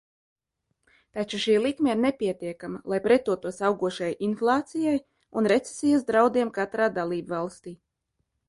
Taču šī likme ir nepietiekama, lai pretotos augošajai inflācijai un recesijas draudiem katrā dalībvalstī.